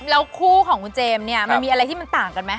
แล้วคู่ของคุณเจมส์เนี่ยมันมีอะไรที่มันต่างกันไหม